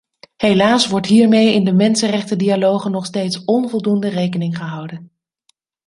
Helaas wordt hiermee in de mensenrechtendialogen nog steeds onvoldoende rekening gehouden.